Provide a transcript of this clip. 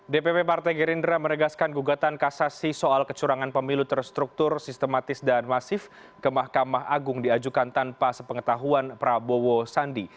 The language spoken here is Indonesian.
dpp partai gerindra menegaskan gugatan kasasi soal kecurangan pemilu terstruktur sistematis dan masif ke mahkamah agung diajukan tanpa sepengetahuan prabowo sandi